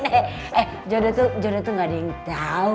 eh jodoh tuh jodoh tuh ga ada yang tau